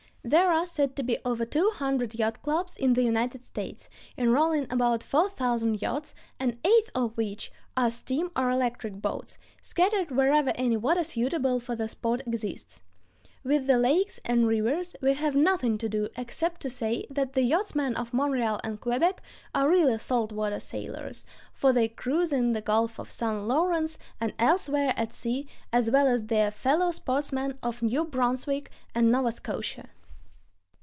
There are said to be over two hundred yacht clubs in the United States, enrolling about four thousand yachts, an eighth of which are steam or electric boats, scattered wherever any water suitable for the sport exists. With the lakes and rivers we have nothing to do, except to say that the yachtsmen of Montreal and Quebec are really salt water sailors, for they cruise in the Gulf of St. Lawrence and elsewhere at sea as well as their fellow sportsmen of New Brunswick and Nova Scotia.